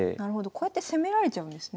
こうやって攻められちゃうんですね。